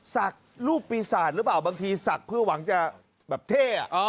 ศักดิ์รูปปีศาจหรือเปล่าบางทีศักดิ์เพื่อหวังจะแบบเท่